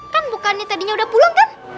kan bukannya tadinya udah pulang kan